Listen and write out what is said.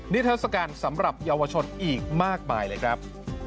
นิทัศกาลสำหรับเยาวชนอีกมากมายเลยครับ